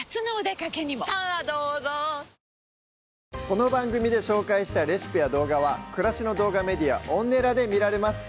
この番組で紹介したレシピや動画は暮らしの動画メディアＯｎｎｅｌａで見られます